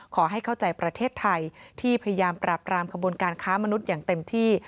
ขอให้เข้าใจประเทศไทยที่พยายามปราบรามขบวนการค้ามนุษย์อย่างเต็มที่